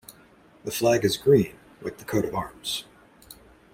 The flag is green like the coat of arms.